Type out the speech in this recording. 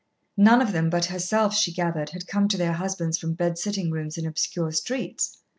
None of them but herself, she gathered, had come to their husbands from bed sitting rooms in obscure streets.